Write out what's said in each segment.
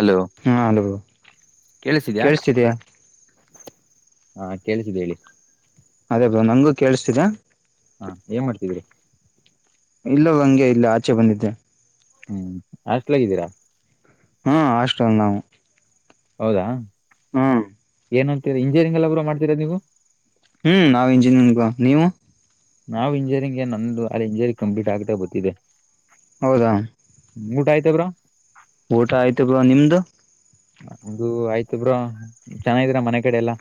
Hello ಹಾ hello ಕೇಳಿಸಿದ್ಯಾ ಕೇಳಿಸ್ತಿದಯಾ ಹಾ ಕಳ್ಸಿದೆೇಳಿ ಅದೇ ನಂಗೂ ಕೇಳಿಸ್ತೀರಾ ಹಾ ಏನ್ ಮಾಡ್ತದೀರ ಇಲ್ಲೋ ಹಂಗೆ ಇಲ್ಲ ಆಚೆ ಬಂದಿದ್ದೆ ಹ್ಮ್ ಹಾಸ್ಟೆಲ್ ಗಿದ್ದೀರಾ ಹ್ಮ ಹಾಸ್ಟಲ್ದವ ಹೌದಾ ಹ್ಮ್ ಏನು ಅಂತೀ ಇಂಜಿನಿಯರಿಂಗ್ ಅಲ್ಲ ಬ್ರೋ ಮಾಡ್ತೀರಾ ನೀವು ಹ್ಮ್ ನಾವ್ ಇಂಜಿನಿಯನ್ಗ ನೀವು ನಾವು ಇಂಜಿನಿಯರಿಂಗ್ಗೆ ನಂದು ಅಲ್ಲಿ ಇಂಜಿನಿಯರಿಂಗ್ ಕಂಪ್ಲೀಟ್ ಆಗ್ತಾ ಗೊತ್ತಿದ್ದಿದೆ ಹೌದಾ ಊಟ ಆಯ್ತ ಬ್ರೋ ಊಟ ಆಯ್ತು ಬ್ರೋ ನಿಮ್ದು ನಂದು ಆಯ್ತ ಬ್ರೋ ಚೆನ್ನಾಗಿದ್ದೀರಾ ಮನೆ ಕಡೆ ಎಲ್ಲಾ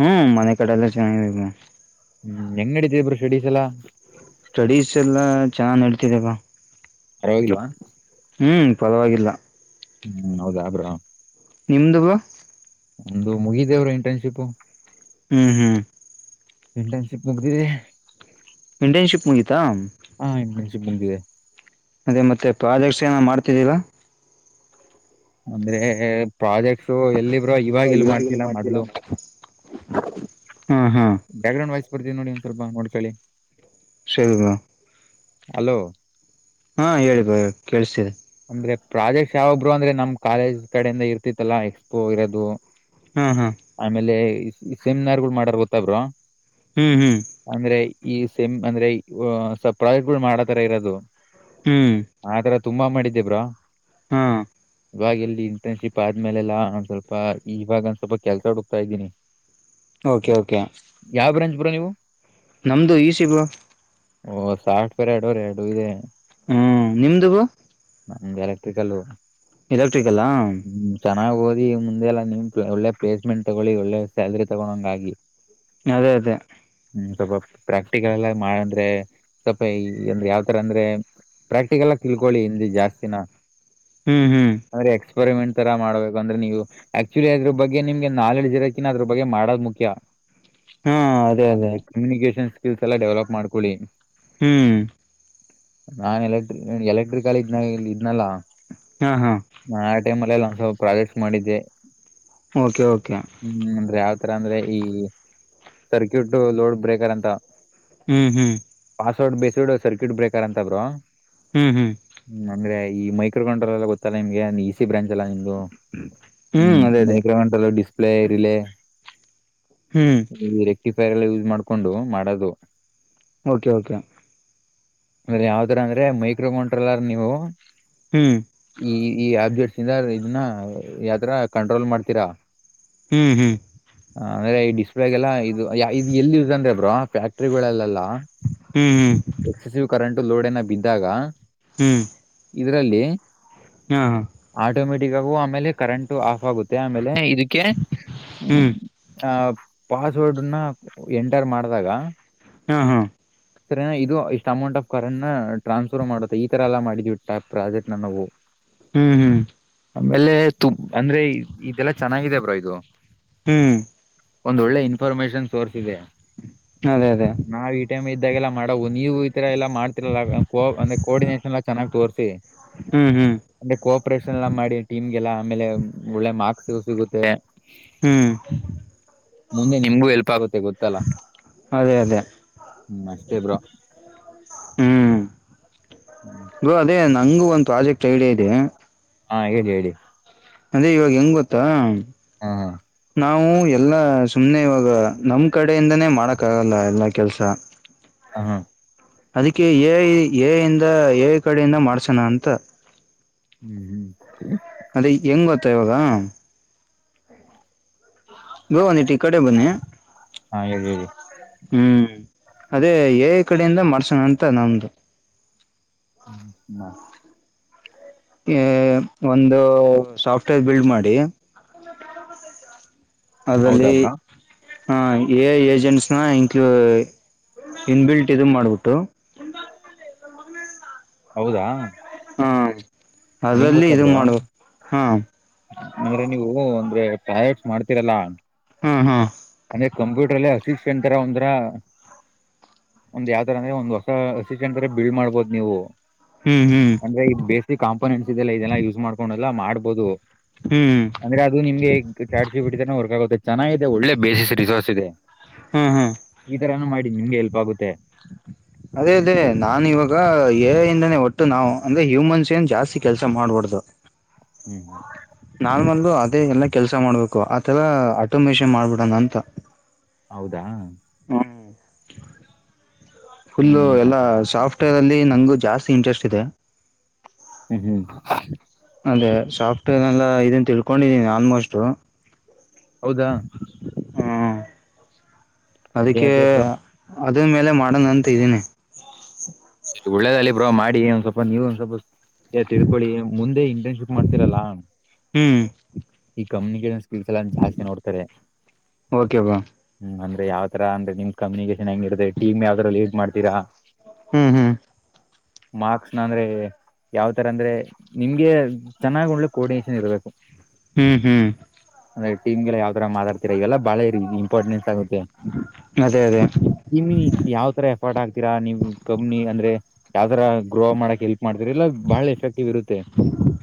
ಹ್ಮ್ ಮನೆ ಕಡ ಎಲ್ಲ ಚೆನ್ನಾಗಿ ಹ್ಮ್ ಹೆಂಗ್ ನೀಡಿತ್ತದೆ ಬ್ರೋ ಶೆಡೀಸಲಾ ಸ್ಟಡೀಸ್ ಎಲ್ಲಾ ಚೆನ್ನ ನಡತಿದವ ಪರವಾಗಿಲ ಹ್ಮ್ ಪರವಾಗಿಲ್ಲ ಹ್ಮ್ ಹೌದಾ ಅದ್ರ ನಿಮ್ದು ಬ್ರೋ ಒಂದು ಮುಗಿದೇವ್ರ ಇಂಟರ್ನ್ಶಿಪ್ ಹ್ಮ್ ಹ್ಮ್ ಇಂಟರ್ನ್ಶಿಪ್ ಮುಗ್ದಿದೆ ಇಂಟರ್ನ್ಶಿಪ್ ಮುಗಿತಾ ಮುಂದಿದೆ ಅದೇ ಮತ್ತೆ ಪ್ರಾಜೆಕ್ಟ್ಸ್ ಏನ ಮಾಡ್ತಿದ್ದೀಲ್ಲ ಅಂದ್ರೆ ಪ್ರಾಜೆಕ್ಟ್ಸು ಎಲ್ಲಿಬ್ರೋ ಇವಾಗ ಎಲ್ ಮಾಡ್ತಿಲ್ಲ ಮೊದ್ಲು ಹಾ ಹಾ ಬ್ಯಾಕ್ ಗ್ರೌಂಡ್ ವೈಸ್ ಬರ್ತೀವಿ ನೋಡಿ ಒಂದ್ ಸ್ವಲ್ಪ ನೋಡ್ಕೊಳ್ಳಿ ಸರಿ ಬ್ರೋ ಹಲೋ ಹಾ ಹೇಳಿ ಬ್ರೋ ಕೇಳಸ್ತಿದೆ ಅಂದ್ರೆ ಪ್ರಾಜೆಕ್ಟ್ಸ್ ಯಾವಬ್ರು ಅಂದ್ರೆ ನಮ್ ಕಾಲೇಜ್ ಕಡೆಯಿಂದ ಇರ್ತಿತ್ತಲ್ಲಾ ಎಕ್ಸ್ಪೋ ಇರೋದು ಹಾ ಹಾ ಆಮೇಲೆ ಸೆಮಿನಾರ್ ಮಾಡಾರ ಗೊತ್ತ ಬ್ರೋ ಹ್ಮ್ ಹ್ಮ್ ಅಂದ್ರೆ ಈ ಸೇಮ್ ಅಂದ್ರೆ ಸ ಪ್ರಾಜೆಕ್ಟ್ ಗಳು ಮಾಡತರ ಇರೋದು ಹ್ಮ್ ಆತರ ತುಂಬಾ ಮಾಡಿದ್ದೇ ಬ್ರೋ ಹಾ ಇವಾಗ ಎಲ್ಲಿ ಇಂಟರ್ನ್ಶಿಪ್ ಆದ್ಮೇಲೆಲ್ಲಾ ಒಂದ್ ಸ್ವಲ್ಪ ಇವಾಗ ಒಂದ ಸ್ವಲ್ಪ ಕೆಲ್ಸ ಹುಡುಕ್ತಾ ಇದ್ದೀನಿ ಓಕೆ ಓಕೆ ಯಾವ ಬ್ರಾಂಚ್ ಬ್ರೋ ನೀವು ನಮ್ದು ಇ ಸಿ ಬ್ರೋ ಓ ಸಾಫ್ಟ್ವೇರ್ ಎರಡುರೆ ಎರಡು ಇೇ ಹ್ಮ್ ನಿಮ್ದ ಬ್ರೋ ನಮ್ದು ಎಲೆಕ್ಟ್ರಿಕಲ್ ಎಲೆಕ್ಟ್ರಿಕಲ್ಲಾ ನಾವ್ ಓದಿ ಮುಂದೆ ಎಲ್ಲ ನಿಮ್ ಒಳ್ಳೆ ಪ್ಲೇಸ್ಮೆಂಟ್ ತಗೊಳ್ಳಿ ಒಳ್ಳೆ ಸ್ಯಾಲ್ರಿ ತಗೊ ಹಂಗಾಗಿ ಅದೇ ಅದೇ ಹ್ಮ ಸ್ವಲ್ಪ ಪ್ರಾಕ್ಟಿಕಲ್ ಎಲ್ಲ ಮಾಡಂದ್ರೆ ಸ್ವಲ್ಪ ಈ ಅಂದ್ರೆ ಯಾವತರ ಅಂದ್ರೆ ಪ್ರಾಕ್ಟಿಕಲ್ ಆಗಿ ತಿಳ್ಕೊಳ್ಳಿ ಹಿಂದಿ ಜಾಸ್ತಿನ ಹ್ಮ್ ಹ್ಮ್ ಅಂದ್ರೆ ಎಕ್ಸ್ಪರಿಮೆಂಟ್ ತರ ಮಾಡ್ಬೇಕು ಅಂದ್ರೆ ನೀವು ಆಕ್ಚುಲಿ ಅದ್ರ ಬಗ್ಗೆ ನಿಮ್ಗೆ ನಾಲೆಡ್ಜ್ ಇರೋಕಿನ ಅದ್ರ ಬಗ್ಗೆ ಮಾಡೋದ್ ಮುಖ್ಯ ಹಾ ಅದೇ ಅದೇ ಆಮೇಲೆ ಕಮ್ಯುನಿಕೇಶನ್ ಸ್ಕಿಲ್ಸ್ ಎಲ್ಲ ಡೆವಲಪ್ ಮಾಡ್ಕೊಳ್ಳಿ ಹ್ಮ್ ನಾನ್ ಎಲೆಕ್ಟ್ರಿ ಎಲೆಕ್ಟ್ರಿಕಲ್ ಇದ್ನ ಇದ್ನಲ್ಲಾ ಹಾ ಹಾ ಟೈಮ್ಲ್ಲಲ್ಲ ಒಂದ್ಸಲ ಪ್ರಾಜೆಕ್ಟ್ಸ್ ಮಾಡಿದ್ದೆ ಓಕೆ ಓಕೆ ಹತ್ರ ಅಂದ್ರೆ ಈ ಸರ್ಕ್ಯೂಟ್ ಲೋಡ್ ಬ್ರೇಕರ್ ಅಂತ ಹ್ಮ್ ಹ್ಮ್ ಅಸೊಡ್ ಬೇಸಿಡ್ ಸರ್ಕ್ಯೂಟ್ ಬ್ರೇಕರ್ ಅಂತ ಬ್ರೋ ಹ್ಮ್ ಹ್ಮ್ ಅಂದ್ರ ಈ ಮೈಕ್ರೋ ಕಂಟ್ರೋಲ್ಲ್ಲೊತ್ತ ನಿಮಗೆ ಇ ಸಿ ಬ್ರಾಂಚ್ ಲ ನಿ ಹ್ಮ್ ಅದೇ ಅದೇ ಮೈಕ್ರೋಂಟ ಡಿಸ್ಪ್ಲೇ ರಿಲೆ ಹ್ಮ್ ರಕ್ಟಿಫೈರ್ ಎಲ್ಲ ಯೂಸ್ ಮಾಡ್ಕೊಂಡು ಮಾಡೋದು ಓಕೆ ಓಕೆ ಅಂದ್ರೆ ಯಾವ್ದರ ಅಂದ್ರೆ ಮೈಕ್ರೋಮೋಂಟ್ರಲ್ಲಾರ ನೀವು ಹ್ಮ್ ಈ ಈ ಅಬ್ಜೆಕ್ಟ್ ಶಿಂದಾರ್ ಇದನ್ನ ಯಾವತರ ಕಂಟ್ರೋಲ್ ಮಾಡ್ತೀರಾ ಹ್ಮ್ ಹ್ಮ್ ಹ ಅಂದ್ರೆ ಈ ಡಿಸ್ಪ್ಲಗೆಲ್ಲಾ ಇದು ಇದು ಎಲ್ಲಿ ಯಸ್ ಅಂದ್ರೆ ಬ್ರೋ ಫ್ಯಾಕ್ಟ್ರಿಗಳೆಲ್ಲೆಲ್ಲಾ ಹ್ಮ್ ಹ್ಮ್ ಎಕ್ಸಸಿವ್ ಕರೆಂಟ್ ಲೋಡ್ ಏನ ಬಿದ್ದಾಗ ಹ್ಮ್ ಇದರಲ್ಲಿ ಹಾ ಹಾ ಗ ಆಮೇಲೆ ಕರೆಂಟ್ ಆಫ್ ಆಗುತ್ತೆ ಆಮೇಲೆ ಇದಕ್ಕೆ ಹ್ಮ್ ಆ ಪಾಸ್ವರ್ಡ್ನ ಎಂಟರ್ ಮಾಡ್ದಾಗ ಹ್ನ ಹ್ನ. ಸರ್ ಇದು ಇಷ್ಟ ಅಮೌಂಟ್ ಆಫ್ ಕರನ ಟ್ರಾನ್ಸ್ಫರ್ ಮಾಡುತ್ತೆ ಈ ತರ ಎಲ್ಲ ಮಾಡಿದ್ವಿ ಟ್ಯಾಪ್ ಪ್ರಾಜೆಟನ ನಾವು ಹ್ಮ ಹ್ಮ. ಆಮೇಲೆ ತು ಅಂದ್ರೆ ಇದೆಲ್ಲಾ ಚೆನ್ನಾಗಿದೆ ಬ್ರ ಇದು. ಹ್ಮ. ಒಂದ ಒಳ್ಳೆ ಇನ್ಫಾರ್ಮೇಶನ್ ಸೋರ್ಸ್ ಇದೆ ಅದೇ ಅದೇ ನಾ ಈ ಟೈಮ್ ಇದ್ದಾಗೆಲ್ಲ ಮಾಡವ ನೀವು ಈತರ ಎಲ್ಲಾ ಮಾಡ್ತಿರಲ್ಲ ಆಗ ಅಂದೆ ಕೋಆರ್ಡಿನೇಷನ್ ಎಲ್ಲಾ ಚೆನ್ನಾಗ ತೋರಸಿ. ಹ್ಮ್ ಹ್ಮ್ ಅಂದ ಕೋಆಪರೇಷನ್ ಎಲ್ಲ ಮಾಡಿ ಟೀಮ್ಗೆಲ್ಲ ಆಮೇಲೆ ಒಳ್ಳೆ ಮಾಕ್ಸ ಸಿಗುತ್ತೆ. ಹ್ಮ್ ಮುಂದೆ ನಿಮ್ಗೂ ಹೇಲ್ಪ್ ಆಗುತ್ತೆ ಗೊತ್ತಲ್ಲ. ದೆ ಹ್ಮ್ ಅಷ್ಟೇ ಬ್ರೋ ಹ್ಮ ಗ ಅದೇ ಹಂಗು ಒಂದ ಪ್ರಾಜೆಕ್ಟ್ ಐಡ ಇದೆ. ಹ್ಞಾ ಹೇಳಿ ಹೇಳಿ. ಅದೇ ಇವಾಗ ಹೆಂಗ ಗೊತ್ತಾ. ಹ್ಞಾ. ನಾವು ಎಲ್ಲಾ ಸುಮ್ನೆ ಇವಾಗ ನಮ್ ಕಡೆಯಿಂದನೇ ಮಾಡಕ್ ಆಗಲ್ಲ ಎಲ್ಲಾ ಕೆಲ್ಸ. ಹ್ಞಾ. ಅದಕ್ಕೆ ಎ ಐ ಏ ಇಂದ ಎ ಐ ಕಡೆಯಿಂದ ಮಾಡ್ಸೋಣ ಅಂತ ಹ್ಮ ಹ್ಮ. ಅದೇ ಹೆಂಗ ಗೊತ್ತ ಇವಾಗ ಬೊ ಒಂದಿಟ ಈಕಡೆ ಬನ್ನಿ ಹಾ ಹೇಳಿ ಹೇಳಿ ಹ್ಮ. ಅದೇ ಎ ಐ ಕಡೆಯಿಂದ ಮಾಡಸಣ ಅಂತ ನಂದು [unintelligible] ಯ ಒಂದು ಸಾಫ್ಟ್ವೇರ್ ಬಿಲ್ಡ್ ಮಾಡಿ ಹೌದಾ ಆದಲ್ಲಿ ಬ್ರೋ ಹ ಎ ಐ ಏಜೆನ್ಸ ಹಾ ಇಂಕಲ್ ಇನ್ ಬಿಲ್ಟ್ ಇದ ಮಾಡ್ಬಿಟ್ಟು ಹೌದಾ. ಹ್ಞಾ ಹೆಂಗ್ ಅದಲ್ಲಿ ಗೊತ್ತಾ ಇದ ಬ್ರೋ ಮಾಡಬೆ ಹ್ಞಾ. ಅಂದ್ರೆ ನೀವು ಅಂದ್ರೆ ಪಾಯಟ್ ಮಾಡ್ತೀರಲ್ಲ ಹ್ಞಾ ಹ್ಞಾ. ಅಣೆ ಕಂಪ್ಯೂಟರಲ್ಲೆ ಹಸಿಕ್ಷ ಅಂತರ ಒಂತರ ಒಂದ ಯಾವ ತರನೇ ಒಂದ್ ಹೊಸ ಅಸಿಸೆಂಟ ಅರ ಬಿಳ್ ಮಾಡ್ಬೋದು ನೀವು. ಹ್ಮ್ ಹ್ಮ್ ಅಂದ್ರ ಈ ಬೇಸಿಕ್ ಕಾಂಪೋನೆಂಟ್ಸ್ ಇದೆಲ್ಲ ಇದೆಲ್ಲಾ ಯೂಸ್ ಮಾಡ್ಕೊಂಡಲ್ಲ ಮಾಡ್ಬೋದು. ಹ್ಮ್ ಹ್ಮ್ ಅಂದ್ರೆ ಅದು ನಿಮಗೆ ಚಾಟ್ ಜಿಪಿಟಿ ತರ ವರ್ಕ್ ಆಗುತ್ತೆ ಚೆನ್ನಾಗಿದೆ ಒಳ್ಳೆ ಬೇಸಿಸ್ ರಿಸೋರ್ಸ್ ಇದೆ ಹ್ಮ್ ಹ್ಮ್ ಈ ತರಾನ ಮಾಡಿ ನಿಮ್ಗೆ ಹೇಲ್ಪ್ ಆಗುತ್ತೆ. [inaudible] ಅದೇ ಅದೇ ನಾನ ಇವಾಗ ಎ ಐ ಇಂದಾನೆ ಒಟ್ಟು ನಾವು ಅಂದೆ ಹ್ಯೂಮನ್ಸ್ ಏನ್ ಜಾಸ್ತಿ ಕೆಲ್ಸ ಮಾಡ್ಬಾರಡ್ದ ಹ್ಮ್ ನಾಮಲ್ ದೇ ಎಲ್ಲ ಕೆಲ್ಸ ಮಾಡ್ಬೇಕು ಆತಲ್ಲಾ ಆಟೋಮೇಷನ್ ಮಾಡ್ಬಿಡಣ ಅಂತ ಹೌದಾ. [inaudible] ಫುಲ್ಲ ಹ್ಮ್ ಎಲ್ಲ ಹ್ಮ್ ಸಾಫ್ಟರ್ ಅಲ್ಲಿ ನಂಗು ಜಾಸ್ತಿ ಇಂಟ್ರೆಸ್ಟ್ ಇದೆ. ಹ್ಮ ಹ್ಮ. ಅದೇ ಸಾಫ್ಟರ್ ಎಲ್ಲ ಇದನ್ ತಿಳ್ಕೊಂಡಿದೀನಿ ಆಲ್ಮೋಸ್ಟ್. ಹೌದಾ. ಹ್ಞಾ. ಅದೇ ಅದಿಕ್ಕೆ ಅದೇ ಬ್ರೋ ಅದ ಮೇಲೆ ಮಾಡಣ ಅಂತ ಇದ್ದೀನಿ. ಒಳ್ಳೇದ ಅಲಿ ಬ್ರೋ ಮಾಡಿ ಒಂದ್ ಸ್ವಲ್ಪ ನೀವು ಸ್ವಲ್ಪ ಯ ತಿಳ್ಕೊಳ್ಳಿ ಮುಂದೆ ಇಂಟರ್ನ್ಶಿಪ್ ಮಾಡ್ತಿರಲ್ಲ ಹ್ಮ್ ಈ ಕಮ್ಯುನಿಸ್ನ ಸ ಎಲ್ಲ ಜಾಸ್ತಿ ನೋಡ್ತಾರೆ ಓಕೆ ಬಾ ಹ್ಮ ಅಂದ್ರೆ ಯಾವ್ ತರ ಅಂದ್ರೆ ನಿಮ್ ಕಮ್ಯುನಿಕೇಟ್ ಚೆನ್ನಂಗ ಇತ್ತದೆ ಟೀಮ್ ಯಾವ್ದಾರ ಲೀಡ್ ಮಾಡ್ೀರಾ ಹ್ಮ್ ಹ್ಮ್ ಮಾರ್ಕ್ಸ್ ನ ಅಂದ್ರೆ ಯಾವ್ತರ ಅಂದ್ರೆ ನಿಮ್ಗೆ ಚೆನ್ನಾಗ್ ಉೆ ಕೋರ್ಡಿನೇಷನ್ ಇರ್ಬೇಕು ಹ್ಮ್ ಹ್ಮ್ ಅಂದೆ ಟೀಮ ಗೆ ಯಾವರ ಮಾತತಿರಿ ಇವೆಲ್ಲ ಬಾಳ ರೀ ಇಂಪಾರ್ಟೆನ್ಸ್ ಅದೇ ಅದೇ ನಿಮ ಯಾವ ತರ ಎಫರ್ಟ್ ಆಗ್ತೀರಾ ನೀವು್ ಅಂದ್ರೆ ಯಾವ್ತರ ಗ್ರೋ ಮಾಡಕ್ ಹೆಲ್ಪ್ ಮಾಡ್ತಾರೆ ಎಲ್ಲ ಬಹಳ ಎಫೆಕ್ಟಿವ್ ಇರುತ್ತೆ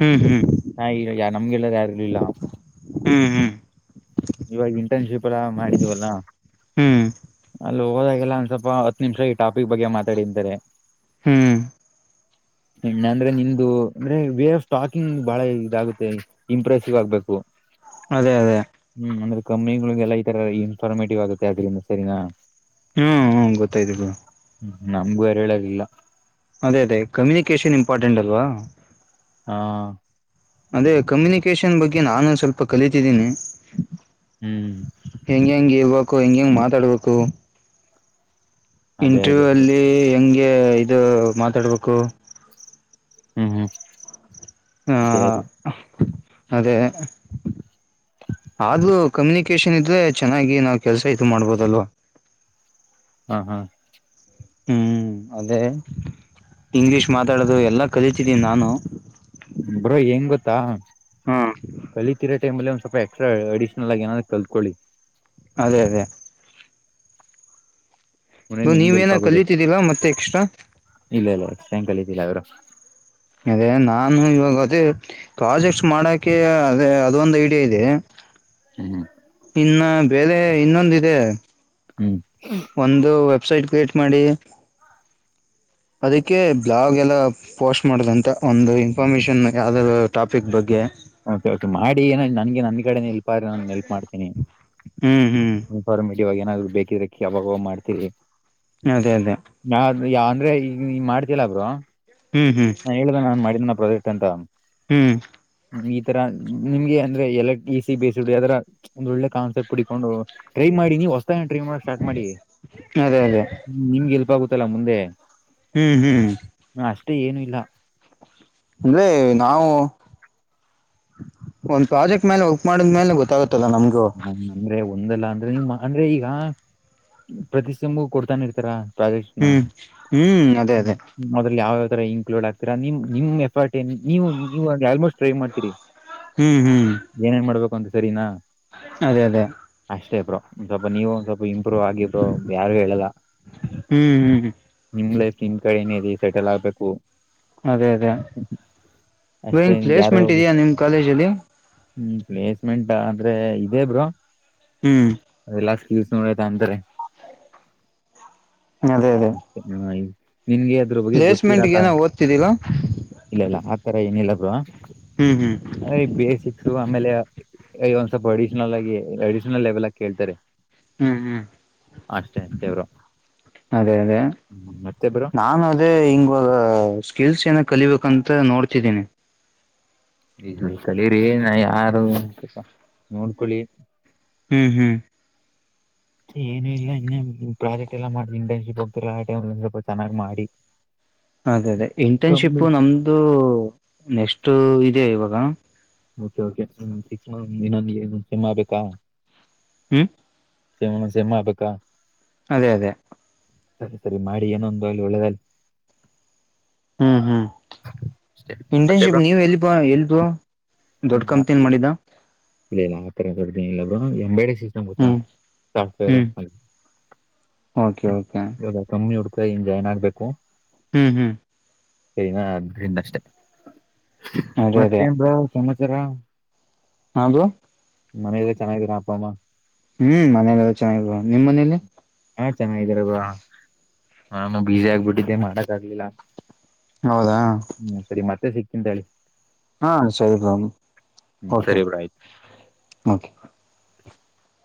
ಹ್ಮ್ ಹ್ಮ್ ಹಾ ಇಲ್ಲ ಯ ನಮ್ಗೆಲ್ಲ ಯಾರಲ್ಲ ಹ್ಮ್ ಹ್ಮ್ ಇವಾಗ ಇಂಟರ್ನ್ಶಿಪ್ ಎಲ್ಲ ಮಾಡಿದೀವಲ್ಲ ಹ್ಮ್ ಲ್ಲಿ ಹೋದಾಗೆಲ್ಲ ಒಂದ್ ಸ್ವಲ್ಪ ಹತ್ತು ನಿಮಿಷ ಈ ಟಾಪಿಕ್ ಬಗ್ಗೆ ಮಾತಾಡಂತಾರೆ ಹಾ್ ಇ ಅಂದ್ರೆ ನಿಮ್ದು ಅಂದ್ರೆ ವೇ ಆಫ್ ಟಾಕಿಂಗ್ ಬಾಳ ಇದಾಗುತ್ತೆ ಇಂಪ್ರೆಸಿವ್ ಆಗ್ಬೇಕು ಅದೇ ಅದೇ ಕಂಪ್ನಿಿಗೆ ಎಲ್ಲ ಈ ತರ ಇನ್ಫರ್ಮೇಟಿವ್ ಆಾಕೀಂದ ಸರಿನಾ ಹ್ಮ್ ಹ್ಮ ಗೊತ್ತಾಯತ ನಮ್ಗೂ ಅರಿಳಾಗಿಲ್ಲ ಅದೇ ಅದೇ ಕಮ್ಯುನಿಕೇಶನ್ ಇಂಪಾರ್ಟೆಂಟ್ ಅಲ್ವಾ ಹಾ ಅದೇ ಕಮ್ಯುನಿಕೇಶನ್ ಬಗ್ಗೆ ನಾನು ಸ್ವಲ್ಪ ಕಲಿತಿದ್ದೀನಿ ಹ್ಮ್ ಹೆಂಗೆ ಹೆಂ ಇರ್ಬೇಕು ಹೆಂಗೆ ಹೆಂಗೆ ಮಾತಾಡ್ಬೇಕು ಅದೇ ಅದೇ ಇಂಟ್ರವ್ಯೂ ಅದೇ ಅಲ್ಲಿ ಹೆಂಗೆ ಇದು ಮಾತಾಡ್ಬೇಕು ಹ್ಮ್ ಹ್ಮ್ ಆ, ಅ ಅದೇ ಆದ್ರೂ ಕಮ್ಯುನಿಕೇಶನ್ ಇದ್ರೆ ಚೆನ್ನಾಗಿ ನಾವ್ ಕೆಲ್ಸ ಇ ಮಾಡ್ಬೋದಲ್ವಾ ಹ ಹಾ ಹ್ಮ್ ಅದೇ ಇಂಗ್ಲಿಷ್ ಮಾತಾಡೋದು ಎಲ್ಲಾ ಕಲಿತಿದ್ದೀ ನಾನು ಬ್ರೋ ಹೆಂಗ್ ಗೊತ್ತಾ ಹ್ಮ್ ಕಲತಿೀರಾ ಟೈಮ್ಲ್ಲಿ ಒ ಸ್ವಲ್ಪ ಎಕ್ಸ್ಟ್ರಾ ಅಡಿಷ್ನಲ್ ಆಗ ಏನಾದ್ರು ಕಲ್ತ್ಕೊಳ್ಳಿ ಅದೇ ಅದೇ ಮನ್ನೆ ಇದು ನಿಮ್ ಗೆಲ್ಪ ನೀವೇನ ಆಗುದು ಕಲಿತಿದ್ದೀರಾ ಮತ್ತೆ ಎಕ್ಸ್ಟ್ರಾ ಇಲ್ಲ ಇಲ್ಲ ಸಂ ಕಲತಿಿಲ್ಲ ಅವರು ಅದೇ ನಾನು ಇವಾಗ ಅದೇ ಪ್ರಾಜೆಕ್ಟ್ಸ್ ಮಾಡಕೆ ಅದೇ ಅದೊಂದು ಐಡಿಯಾ ಇದೆ ಹ್ಮ್ ಹ ಬಲೆ ಇನ್ನೊಂದ ಇದೆ ಹ್ಮ್ ಒಂದು ವೆಬ್ಸೈಟ್ ಕ್ರಿಯೇಟ್ ಮಾಡಿ ಅದಕ್ಕೆ ಬ್ಲಾಗ್ ಎಲ್ಲ ಪೋಸ್ಟ್ ಮಾಡದಂತೆ ಒಂದು ಇನ್ಫಾರ್ಮೇಶನ್ ಯಾವ್ದ ಟಾಪಿಕ್ ಬಗ್ಗೆ ಓಕೆ ಕೆ ಮಾಡಿ ಏನ ನನ್ಗೆ ನನ್ ಕಡೆ ಎಲ್ಪ ಆದ್ರ ನಾನು ಎಲ್ಪ್ ಮಾಡ್ತೇನಿ ಹ್ಮ್ ಹ್ಮ್ ಇವಾಗ ಏನಾದ್ರು ಬೇಕಿದ್ರೆ ಯಾವಾಗ ಮಾಡ್ತೀರಿ ಅದೇ ಅದೇ ಯಾವ ಅಂದ್ರೆ ಈಗ ಈ ಮಾಡ್ತಿಲ್ಲಬ್ರು ಹ್ಮ್ ಹ್ಮ್ ಹಾ ಹೇಳ್ದ ನಾನನ್ ಮಾಡಿದ್ದ ನ ಪ್ರಾಜೆಕ್ಟ್ ಅಂತ ಹ್ಮ್ ಈ ತರ ನಿಮ್ಗೆ ಅಂದ್ರೆ ಎಲ್ಲ ಈಸ ಬೇಸಡ್ ಯದರ ಒಂದ ಒಳ್ಳೆ ಕಾನ್ಸೆಪ್ಟ್ ಹುಡಕೊಂಡು ಮಾಡಿ ನೀ್ ಹೊತ ಟ್ರೀಮ್ ಮಾಡ ಸ್ಟಾರ್ಟ್ ಮಾಡಿ ಅದೇ ಅದೇ ನಿಮಗೆ ಎಲ್ಪ್ ಆಗುತ್ತಲ್ಲ ಮುಂದೆ ಹ್ಮ್ ಹ್ಮ್ ಅಷ್ಟೇ ಏನು ಇಲ್ಲ ಅಂದೆ ನಾವು ಒಂದ್ ಪ್ರಾಜೆಕ್ಟ್ ಮೇಲೆ ವರ್ಕ್ ಮಾಡಿದ್ ಮೇಲೆ ಗೊತ್ತಾಗುತ್ತಲ್ಲ ನಮ್ಗೂ ಅಂದ್ರೆ ಒಂದಲ್ಲ ಅಂದ್ರೆ ನೀ ಅಂದ್ರೆ ಈಗ ಪ್ರತಿ್ ಕೊಡ್ತಾನ ಇರ್ತಾರ ಪ್ರ ಹ್ಮ್ ಹ್ಮ್ ಅದೇ ಅದೇ ಅಲ್ಲಿ ಯಾವ ಇನ್ಕ್ಲೂಡ್ ಆಗ್ತರ ನಿ ನಿಮ್ ಎಫರ್ಟ್ ಏನ್ ನೀವು ನೀವು ಆಲ್ಮೋಸ್ಟ್ ಟ್ರೈ ಮಾಡ್ತೀರಿ ಹ್ಮ್ ಹ್ಮ್ ಏನೇನ್ ಮಾಡ್ಬೇಕು ಸರಿನಾ ಅದೇ ಅದೇ ಅಷ್ಟೇ ಬ್ರೋ ಸ್ವಲ್ಪ ನೀವು ಸ್ವಲ್ಪ ಇಂಪ್ರೂವ್ ಆಗಿದರು ಯಾರು ಹೇಳುದ ಹ್ಮ್ ಹ್ಮ್ ನಿಮ್ ಲೈಫ್ ನಿಮ್ ಕಡೆ ನ ಇ ಸೆಟಲ್ ಆಗ್ಬೇಕು ಅದೇ ಅದೇ ನೀಂಗ ಅಷ್ಟೇ ಯಾರೋ ಪ್ಲೇಸ್ಮೆಂಟ್ ಇದಯಾ ನಿಮ್ ಕಾಲೇಜಲ್ಲಿ ಹ್ಮ್ ಪ್ಲೇಸ್ಮೆಂಟ್ ಅಂದ್ರೆ ಇದೇ ಬ್ರೋ ಹ್ಮ್ ಅ ಲಾ ಕಿವಸ್ ನೋಡತ ಅಂತಾರೆ ಅದೇ ಅದೇ ನಿನ್ಗೆ ಅದ್ರ ಬಗ್ಗೆ ಗೊತ್ತಿರ ಪ್ಲೇಸ್ಮೆಂಟ್ಗೆ ಏನೋ ಓದ್ತಿದ್ದೀರಾ ಇಲ್ಲ ಇಲ್ಲ ತರ ಏನಿಲ್ಲ ಬ ಹ್ಮ್ ಹ್ಮ್ ಅ್ರೆ ಈ ಬೇಸಿಕ್ಸ್ ಆಮೇಲೆ ಒಂದ್ ಸ್ವಲ್ಪ ಹೊಡಿ ಅಡಿಷನಲ್ ಲೆವೆಲ್ ಆಕೇಳ್ತಾರೆ ಹ್ಮ್ ಹ್ಮ್ ಅಷ್ಟೇ ಬ್ರೋ ಅದೇ ಅದೇ ಮತ್ತೆ ಬ್ರೋ ನಾನು ಅದೇ ಹಿಂಗಾಗ ಕೆಲ್ಸ ನ ಕಲಿಬೇಕಂತ ನೋಡ್ತಿದ್ದೀನಿ ಇ ಕಲರಿಿ ನಾ ಯಾರ ಒ ಸ್ವಲ್ಪ ನೋಡ್ಕೊೊಳ್ಳಿ ಹ್ಮ್ ಹ್ಮ್ ಏನುೂ ಇಲ್ಲ ಇನ್ನೆ ಪ್ರಾಜೆಕ್ಟ್ ಎಲ್ಲಾ ಮಾಡ ಇಂಟರ್ನ್ಶಿಪ್ ಹೋಗ್ತಿಲ್ಲ ಆ ಟೈಮ್ ಸ್ವಲ್ಪ ಚೆನ್ನಾಗ್ ಮಾಡಿ ಅದೇ ಅದೇ ಕಮ್ಮಿ ಇಂಟರ್ನ್ಶಿಪ್ ನಮ್ದು ನೆಕ್ಸ್ಟ್ ಇದೆ ಇವಾಗ ಕೆ ಸಿಕ್ಸ್ ಮತ್ ಇನ್ನೊಂದ ಸಮ್ ಆಗ್ಬೇಕಾ ಹ್ಮ್ ಸೇಮಣ ಸಮ್ಮಾಬೇಕಕ್ಕಾ ಅದೇ ಅದೇ ಸರಿ ಸರಿ ಮಾಡಿ ಏನೊಂದು ಅಲ್ಲಿ ಒಳ್ಳೆದಲ್ ಹ್ಮ್ ಹ್ಮ್ ಮತ್ತೆ ಇಂಟರ್ನ್ಶಿಪ್ ಬ್ರೋ ನೀವ ಎಲ್ಲಿಪ ಎಲ್ಲಿಪ ದಡಕಮ ತಿನ್ ಮಾಡಂಡಿದಾ ಇಲ್ಲ ಇಲ್ಲ ಆತ್ತರ ತೊಡ್ ಇ ಹ್ಮ್ ಹ್ಮ್ ಓಕೆ ಓಕೆ ಎ ಫ್ಟಮ್ಮ ಇಂಜ ಏನಾಗ್ಬೇಕು ಹ್ಮ್ ಹ್ಮ್ ಸೈನಾ ಅದರಿಂದಷ್ಟೆ ಅದೇ ಅದೇ ಮತ್ತೇ ಎ ಬ್ರೋ ಚಮಚಾರ ಹಾದು ಮನಗ ಚೆನ್ನಾಗರಾ ಅಪ್ಪ ಅಮ್ಮ ಹ್ಮ್ ಮನೇಲೆಲ್ಲ ಚೆನ್ನಾಗಿ ನಿಮ್ಮ್ ಮನೇಲಿ ಹಾ ಚೆನ್ನಾಗಾರದು ನಾನು ಬಸಿ ಆಗ್ಬಿಟ್ಟಿದ್ದೆ ಮಾಡಕ್ ಆಗ್ಲಿಲ್ಲ ಹೌದಾ ಮೆ ಸಿಕ್ಕಂತಾಳಿ ಹಾ ಹ್ಮ್ ಸರಿ ಸರಿ ಬ್ರೋ ಆಯ್ತು